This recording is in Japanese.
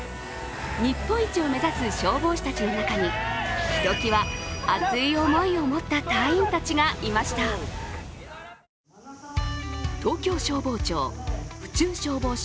日本一を目指す消防士たちの中にひときわ熱い思いを持った隊員たちがいました東京消防庁府中消防署